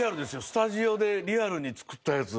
スタジオでリアルに作ったやつ。